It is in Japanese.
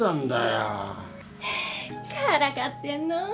からかってんの？